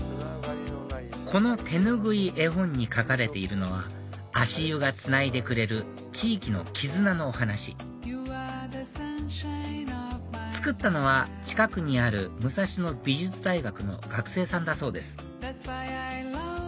この手拭い絵本に書かれているのは足湯がつないでくれる地域の絆のお話作ったのは近くにある武蔵野美術大学の学生さんだそうです